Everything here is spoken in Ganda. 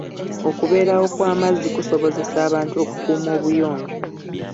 Okubeerawo kw'amazzi kusobozesa abantu okukuuma obuyonjo.